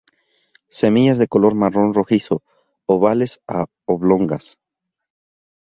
Semillas de color marrón rojizo, ovales a oblongas.